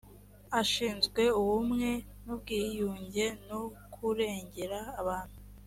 ashinzwe ubumwe n ubwiyunge no kurengera abantu